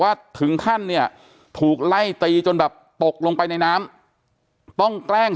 ว่าถึงขั้นเนี่ยถูกไล่ตีจนแบบตกลงไปในน้ำต้องแกล้ง